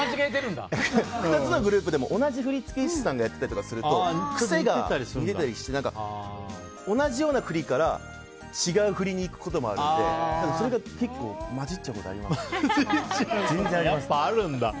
２つのグループでも同じ振付師さんがやってたりすると癖が出たりして同じような振りから違う振りにいくこともあるのでそれが結構やっぱあるんだ。